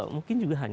mungkin juga hanya